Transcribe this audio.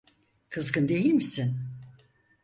Kızgın değil misin?